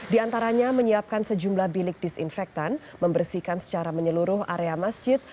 di antaranya menyiapkan sejumlah bilik disinfektan membersihkan secara menyeluruh area masjid